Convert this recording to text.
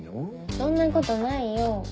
そんなことないよ。